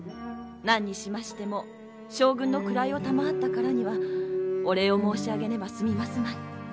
何にしましても将軍の位を賜ったからにはお礼を申し上げねば済みますまい。